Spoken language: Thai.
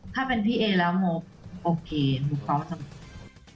ถ้าเป็นพี่เอแล้วโมโอเคผมพร้อมจะหมดไป